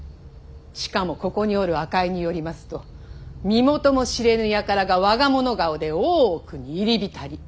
しかもここにおる赤井によりますと身元も知れぬ輩が我が物顔で大奥に入り浸り。